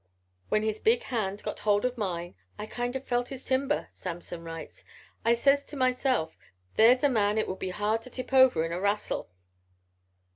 "When his big hand got hold of mine, I kind of felt his timber," Samson writes. "I says to myself, 'There's a man it would be hard to tip over in a rassle.'"